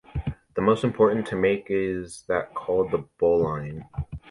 The most important to make is that called the bolline...